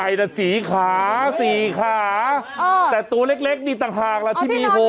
ตัวใหญ่สี่ขาสี่ขาแต่ตัวเล็กนี่ต่างหากแล้วที่มี๖